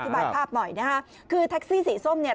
บายภาพหน่อยนะฮะคือแท็กซี่สีส้มเนี่ย